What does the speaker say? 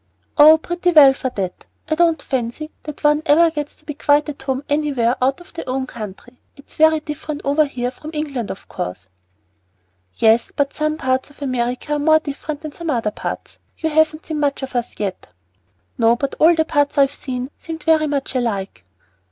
"Oh, pretty well for that. I don't fancy that one ever gets to be quite at home anywhere out of their own country. It's very different over here from England, of course." "Yes, but some parts of America are more different than some other parts. You haven't seen much of us as yet." "No, but all the parts I have seen seemed very much alike."